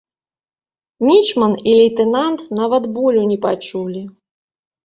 Мічман і лейтэнант нават болю не пачулі.